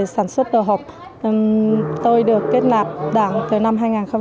suốt tuổi học tôi được kết nạp đảng từ năm hai nghìn một mươi bốn